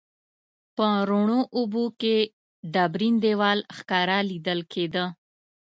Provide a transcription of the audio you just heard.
په روڼو اوبو کې ډبرین دیوال ښکاره لیدل کیده.